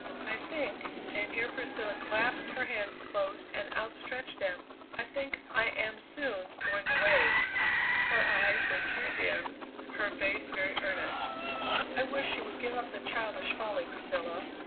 I think" and here Priscilla clasped her hands close and outstretched them "I think I am soon going away!" Her eyes were tear dimmed, her face very earnest. "I wish you would give up the childish folly, Priscilla."